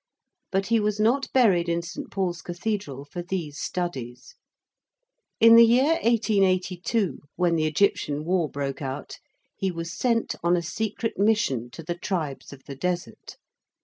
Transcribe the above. But he was not buried in St. Paul's Cathedral for these studies. In the year 1882, when the Egyptian War broke out, he was sent on a secret mission to the tribes of the Desert.